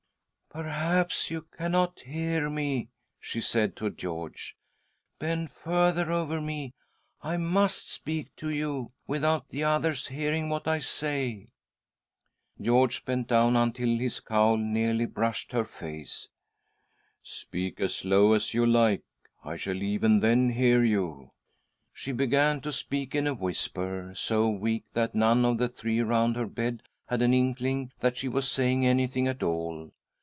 " Perhaps you cannot hear me?" she said to •George. "Bend further over me. I must speak to you without the others hearing what I say." George bent down until his cowl nearly brushed her face. " Speak as low as you like ; I shall even then hear you." She began to speak in a whisper so weak that none of the three around her bed had an inkling that she was saying anything at all.